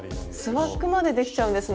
スワッグまでできちゃうんですね！